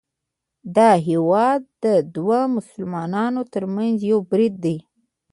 دا هیواد د دوو مسلمانانو ترمنځ یو برید دی